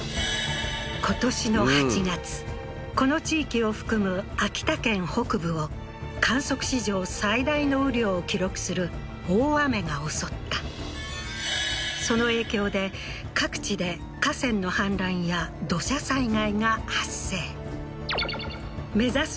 今年の８月この地域を含む秋田県北部を観測史上最大の雨量を記録する大雨が襲ったその影響で各地で河川の氾濫や土砂災害が発生目指す